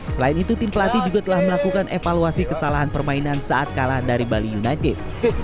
selain itu tim pelatih juga telah melakukan evaluasi kesalahan permainan saat kalah dari bali united